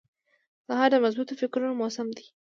سهار د مثبتو فکرونو موسم دی.